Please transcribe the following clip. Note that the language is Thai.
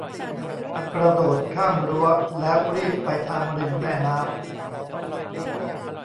กระโดดข้ามรั้วแล้วรีบไปทางริมแม่น้ำ